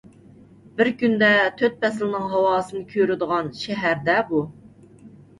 بىر كۈندە تۆت پەسىلنىڭ ھاۋاسىنى كۆرىدىغان شەھەر-دە بۇ!